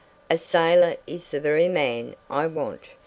A sailor is the very man I want!'